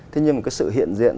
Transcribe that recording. thế nhưng mà cái sự hiện diện